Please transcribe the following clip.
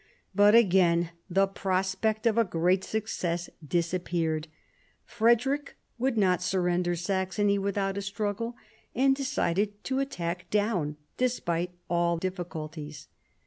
But again the prospect of a great success disappeared. Frederick would not sur render Saxony without a struggle, and decided to attack Daun, despite all difficulties.